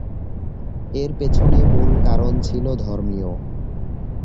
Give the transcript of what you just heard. এর পেছনে মূল কারণ ছিল ধর্মীয়।